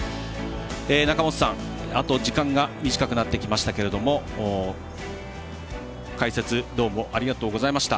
中本さん、あと時間が短くなってきましたけれども解説どうもありがとうございました。